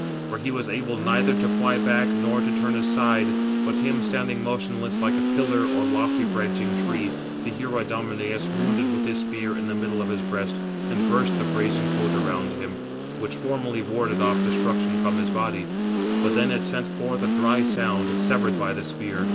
For he was able neither to fly back nor to turn aside, but him, standing motionless, like a pillar or lofty branching tree, the hero Idomeneus wounded with his spear in the middle of the breast, and burst the brazen coat around him, which formerly warded off destruction from his body: but then it sent forth a dry sound, severed by the spear.